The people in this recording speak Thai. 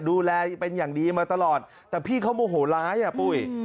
ดูแลเป็นอย่างดีมาตลอดแต่พี่เขาโมโหร้ายอ่ะปุ้ย